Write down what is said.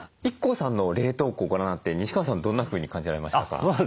ＩＫＫＯさんの冷凍庫ご覧になって西川さんどんなふうに感じられましたか？